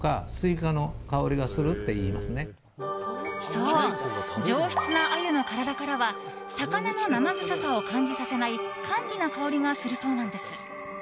そう、上質なアユの体からは魚の生臭さを感じさせない甘美な香りがするそうなんです。